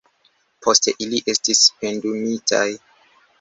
Poste ili estis pendumitaj.